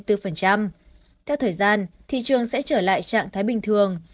theo thời gian thị trường sẽ trở lại trạng thái bình thường